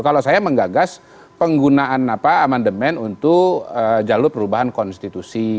kalau saya menggagas penggunaan amandemen untuk jalur perubahan konstitusi